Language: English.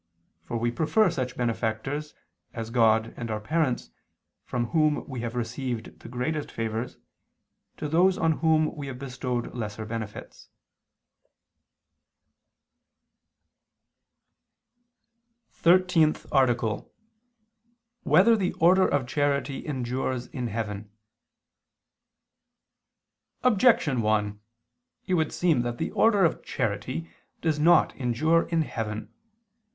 For we prefer such benefactors as God and our parents, from whom we have received the greatest favors, to those on whom we have bestowed lesser benefits. _______________________ THIRTEENTH ARTICLE [II II, Q. 26, Art. 13] Whether the Order of Charity Endures in Heaven? Objection 1: It would seem that the order of charity does not endure in heaven.